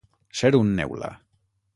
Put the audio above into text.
Ser un neula.